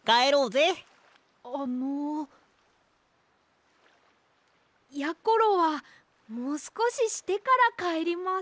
あのやころはもうすこししてからかえります。